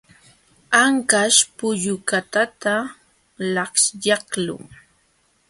Anqaśh pullukatata laćhyaqlun.